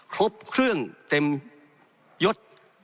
ครบเครื่องเต็มยด